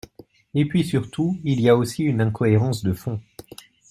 Et puis surtout, il y a aussi une incohérence de fond.